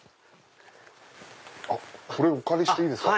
あっお借りしていいですか？